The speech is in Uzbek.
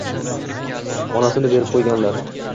Onasini berib quyganlar